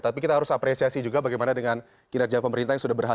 tapi kita harus apresiasi juga bagaimana dengan kinerja pemerintah yang sudah berhasil